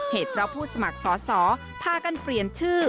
เหตุเพราะผู้สมัครสอสอพากันเปลี่ยนชื่อ